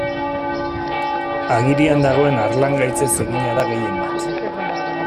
Agirian dagoen harlangaitzez egina da gehienbat.